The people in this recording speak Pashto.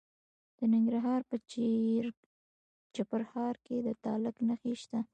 د ننګرهار په چپرهار کې د تالک نښې شته.